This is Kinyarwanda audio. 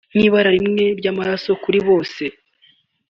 nk’ibara rimwe ry’amaraso kuri bose